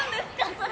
それ。